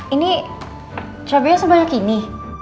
ini cabenya sebanyak ini